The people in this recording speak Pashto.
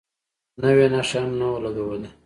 نوې نښه هم نه شو لګولی.